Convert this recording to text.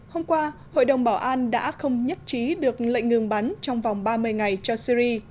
hôm qua hội đồng bảo an đã không nhất trí được lệnh ngừng bắn trong vòng ba mươi ngày cho syri